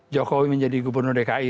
jokowi menjadi gubernur dki